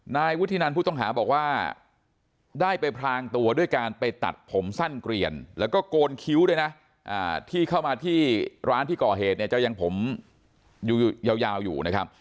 นายวุฒินันผู้ต้องหาบอกว่าได้ไปพรางตัวด้วยการไปตัดผมสั้นเกลียนแล้วก็โกนคิ้วด้วยนะที่เข้ามาที่ร้านที่ก่อเหตุเนี่ยจะยังผมอยู่ยาวอยู่นะครับ